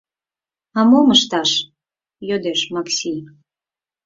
— А мом ышташ? — йодеш Макси.